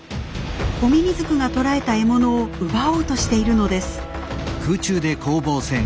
コミミズクが捕らえた獲物を奪おうとしているのです。